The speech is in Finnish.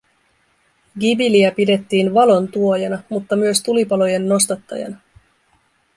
Gibiliä pidettiin valon tuojana, mutta myös tulipalojen nostattajana